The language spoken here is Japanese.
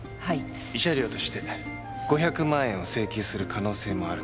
慰謝料として５００万円を請求する可能性もあると。